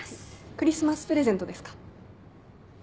クリスマスプレゼントですか？